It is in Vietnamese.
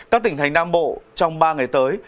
các tỉnh thành nam bộ trong ba ngày tới